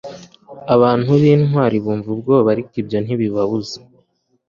Abantu bintwari bumva ubwoba ariko ibyo ntibibabuza